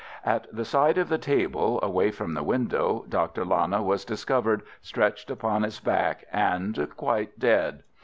At the side of the table, away from the window, Dr. Lana was discovered stretched upon his back and quite dead.